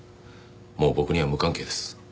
もう僕には無関係です。